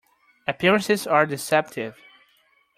Appearances are deceptive.